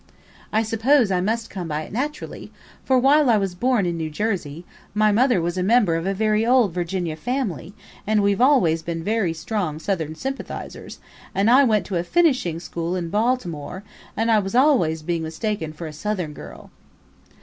I suppose I must come by it naturally, for while I was born in New Jersey, my mother was a member of a very old Virginia family and we've always been very strong Southern sympathizers and I went to a finishing school in Baltimore and I was always being mistaken for a Southern girl."